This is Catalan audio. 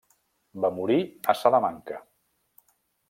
Va morir a Salamanca.